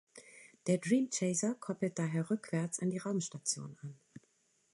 Der Dream Chaser koppelt daher "rückwärts" an die Raumstation an.